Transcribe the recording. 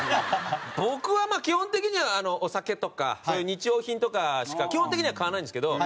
僕はまあ基本的にはお酒とかそういう日用品とかしか基本的には買わないんですけど。